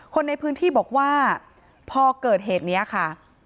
คนในพื้นที่บอกว่าพอเกิดเหตุนี้ค่ะ